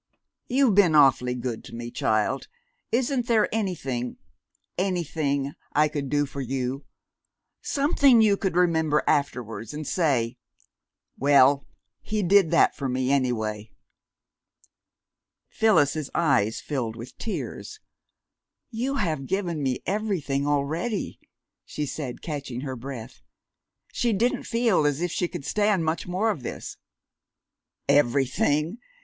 You've been awfully good to me, child isn't there anything anything I could do for you something you could remember afterwards, and say, 'Well, he did that for me, any way?'" Phyllis's eyes filled with tears. "You have given me everything already," she said, catching her breath. She didn't feel as if she could stand much more of this. "Everything!"